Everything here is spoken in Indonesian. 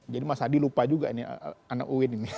jadi mas hadi lupa juga ini anak uwin ini